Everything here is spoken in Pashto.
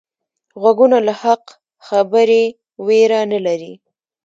غوږونه له حق خبرې ویره نه لري